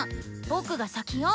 僕が先よ。